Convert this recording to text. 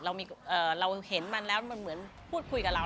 เราเห็นมันแล้วมันเหมือนพูดคุยกับเรา